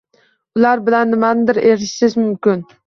Ular bilan nimagadir erishish mumkin.